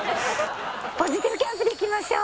ポジティブキャンプでいきましょう！